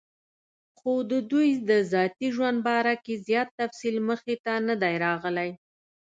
خو دَدوي دَذاتي ژوند باره کې زيات تفصيل مخې ته نۀ دی راغلی